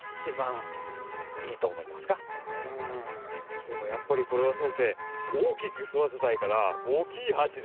でもやっぱりこれは先生大きく育てたいから大きい鉢で。